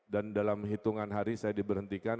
dan dalam hitungan hari saya diberhentikan